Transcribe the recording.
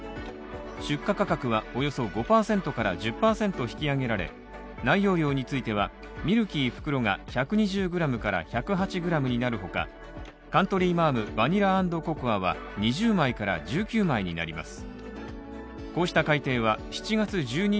出荷価格はおよそ５％から１０％引き上げられ内容量についてはミルキー袋が１２０ｇから１０８ｇになる他、カントリーマアムバニラ＆ココアは２０枚から１９枚になります。